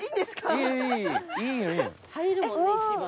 映えるもんね一番。